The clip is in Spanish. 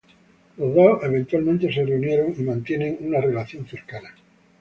Los dos eventualmente se reunieron y mantienen una relación cercana.